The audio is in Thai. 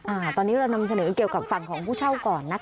อ่าตอนนี้เรานำเสนอเกี่ยวกับฝั่งของผู้เช่าก่อนนะคะ